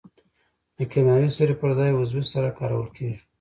د کیمیاوي سرې پر ځای عضوي سره کارول کیږي.